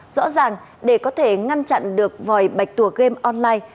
rõ ràng để có thể ngăn chặn được vòi bạch tuộc game online